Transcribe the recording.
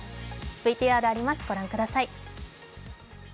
ＶＴＲあります、ご覧ください。